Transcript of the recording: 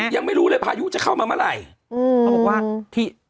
ยังไม่รู้เลยพายุจะเข้ามาเมื่อไหร่